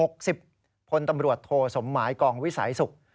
พลตำรวจโทสมหมายกองวิสัยศุกร์